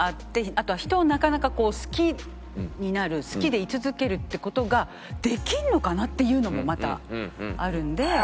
あとは人をなかなか好きになる好きでい続けるって事ができるのかな？っていうのもまたあるんで。